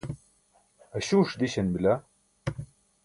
aśuuṣ diśan bila